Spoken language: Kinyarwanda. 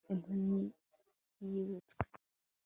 impumyi, yibutswe